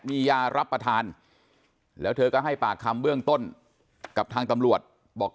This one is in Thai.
มียารับประทานแล้วเธอก็ให้ปากคำเบื้องต้นกับทางตำรวจบอก